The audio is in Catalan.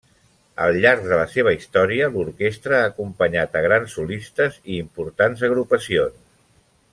Al llarg de la seva història l'orquestra ha acompanyat a grans solistes i importants agrupacions.